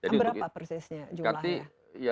berapa persisnya jumlahnya